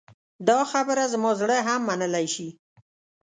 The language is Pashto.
دا خبره زما زړه هم منلی شي.